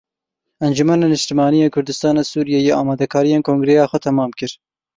Encumena Niştimanî ya Kurdistana Sûriyeyê amadekariyên kongireya xwe temam kir.